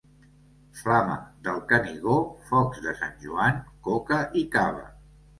Flama del Canigó, focs de Sant Joan, coca i cava.